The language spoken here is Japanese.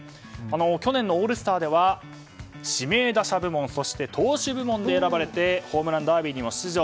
去年のオールスターでは指名打者部門そして投手部門で選ばれてホームランダービーにも出場。